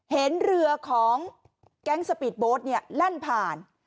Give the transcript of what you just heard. เห็นเรือของแก๊งสปีดโบ๊ทเนี่ยแล่นผ่าน